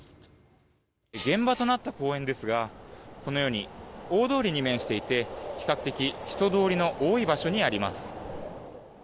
現場となった公園ですがこのように大通りに面していて比較的人通りの多い場所にあります。